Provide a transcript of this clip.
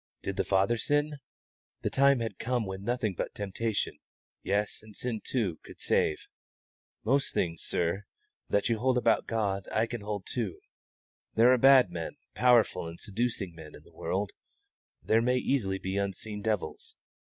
Did the father sin? The time had come when nothing but temptation yes, and sin too could save. Most things, sir, that you hold about God I can hold too. There are bad men, powerful and seducing men, in the world; there may easily be unseen devils.